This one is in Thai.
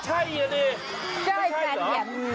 เจ้ยแฟนเย็ม